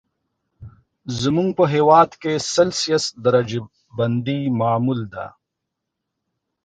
زموږ په هېواد کې سلسیوس درجه بندي معمول ده.